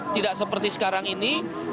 tidak seperti sekarang ini